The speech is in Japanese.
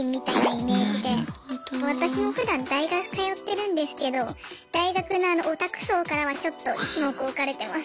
私もふだん大学通ってるんですけど大学のあのオタク層からはちょっと一目置かれてます。